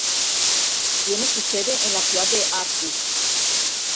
Tiene su sede en la ciudad de Aarhus.